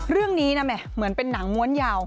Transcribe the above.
เรื่องนี้นะเหมือนเป็นหนังม้วนยาว